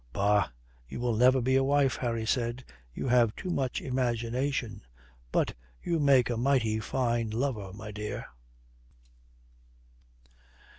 "Bah, you will never be a wife," Harry said. "You have too much imagination. But you make a mighty fine lover, my dear."